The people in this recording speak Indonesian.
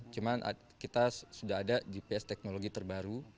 cuman kita sudah ada gps teknologi terbaru